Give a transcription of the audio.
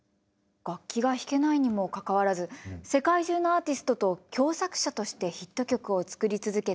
楽器が弾けないにもかかわらず世界中のアーティストと共作者としてヒット曲を作り続けたアリー・ウィリス。